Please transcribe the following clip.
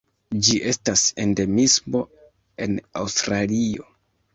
Ĝi estas endemismo en Aŭstralio.